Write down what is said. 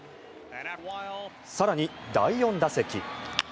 更に、第４打席。